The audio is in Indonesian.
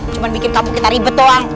cuman mikir kamu kita ribet doang